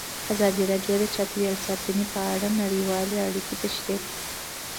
ازادي راډیو د چاپیریال ساتنه په اړه نړیوالې اړیکې تشریح کړي.